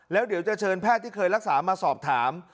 แล้วเดี๋ยวจะเชิญแพทย์ที่เคยรักษามาสอบถาม